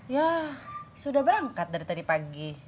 ya sudah berangkat dari tadi pagi